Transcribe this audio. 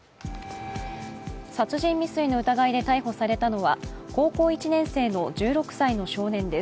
殺人未遂の疑いで逮捕されたのは高校１年生の１６歳の少年です。